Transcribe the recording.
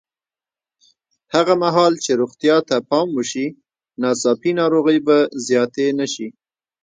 هغه مهال چې روغتیا ته پام وشي، ناڅاپي ناروغۍ به زیاتې نه شي.